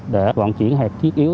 để vận chuyển hạt thiết yếu